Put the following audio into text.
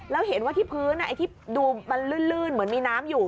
แล้วเห็นว่าที่พื้นไอ้ที่ดูมันลื่นเหมือนมีน้ำอยู่